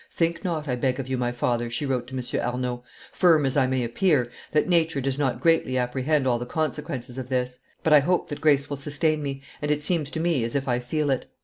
"Think not, I beg of you, my father," she wrote to M. Arnauld, "firm as I may appear, that nature does not greatly apprehend all the consequences of this; but I hope that grace will sustain me, and it seems to me as if I feel it."